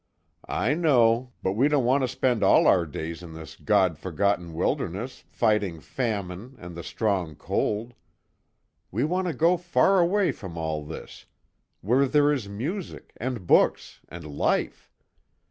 "I know but we don't want to spend all our days in this God forgotten wilderness, fighting famine, and the strong cold. We want to go far away from all this, where there is music, and books, and life!